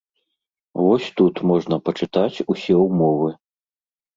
Вось тут можна пачытаць усе ўмовы.